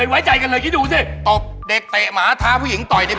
พี่แกน่าเป็นไร